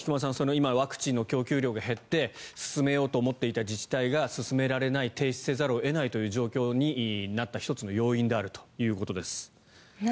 今、ワクチンの供給量が減って進めようと思っていた自治体が進められない停止せざるを得ない状況になった１つの要因であるということです。